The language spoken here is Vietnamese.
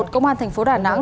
công an tp hcm